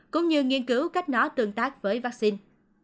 cũng như nghiên cứu cách nó tương tác với vaccine